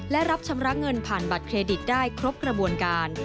และรับชำระเงินผ่านบัตรเครดิตได้ครบกระบวนการ